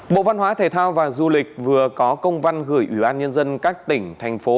bộ văn hóa thể thao và du lịch vừa có công văn gửi ủy ban nhân dân các tỉnh thành phố